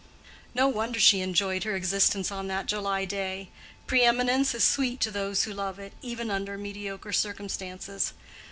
No wonder she enjoyed her existence on that July day. Pre eminence is sweet to those who love it, even under mediocre circumstances.